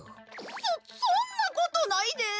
そそんなことないで。